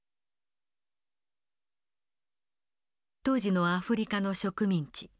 当時のアフリカの植民地。